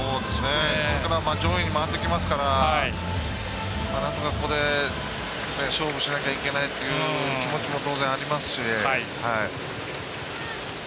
上位に回ってきますからなんとかここで勝負しなきゃいけないという気持ちも当然ありますし。